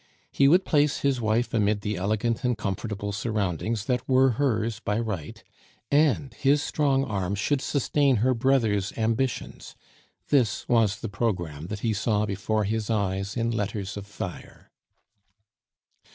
He would place his wife amid the elegant and comfortable surroundings that were hers by right, and his strong arm should sustain her brother's ambitions this was the programme that he saw before his eyes in letters of fire.